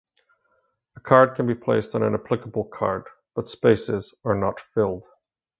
A card can be placed on an applicable card, but spaces are not filled.